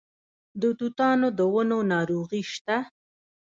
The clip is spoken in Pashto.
د توتانو د ونو ناروغي شته؟